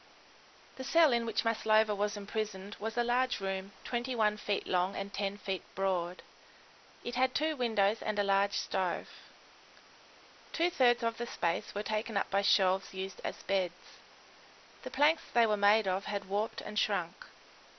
The cell in which Maslova was imprisoned was a large room 21 feet long and 10 feet broad; it had two windows and a large stove. Two thirds of the space were taken up by shelves used as beds. The planks they were made of had warped and shrunk.